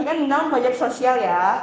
tentang proyek sosial ya